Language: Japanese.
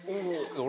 俺。